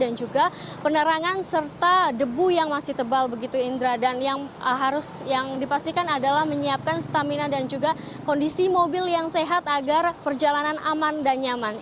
dan juga penerangan serta debu yang masih tebal begitu indra dan yang harus yang dipastikan adalah menyiapkan stamina dan juga kondisi mobil yang sehat agar perjalanan aman dan nyaman